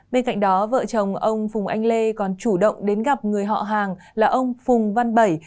bên cạnh đó vợ chồng ông phùng anh lê còn chủ động đến gặp người họ hàng là ông phùng văn bảy